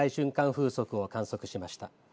風速を観測しました。